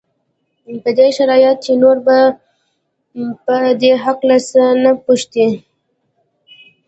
په دې شرط چې نور به په دې هکله څه نه پوښتې.